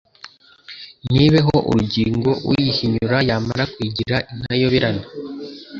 Ntiibeho urugiingo uyihinyura Yamara kuyigira intayoberana.